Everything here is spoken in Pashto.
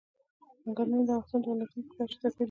چنګلونه د افغانستان د ولایاتو په کچه توپیر لري.